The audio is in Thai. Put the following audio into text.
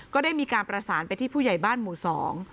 ก็ได้มีการประสานไปที่ผู้ใหญ่บ้านหมู่สอง